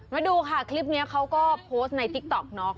มาดูค่ะคลิปนี้เขาก็โพสต์ในติ๊กต๊อกเนาะ